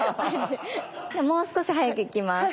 もう少し速くいきます。